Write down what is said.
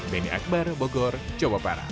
benny akbar bogor jawa barat